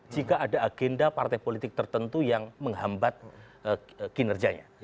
jika ada agenda partai politik tertentu yang menghambat kinerjanya